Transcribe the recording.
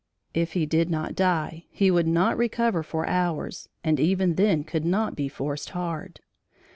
If he did not die, he would not recover for hours and even then could not be forced hard.